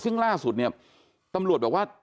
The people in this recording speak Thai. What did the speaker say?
ซึ่งล่าสุดเนี่ยตำรวจบอกว่า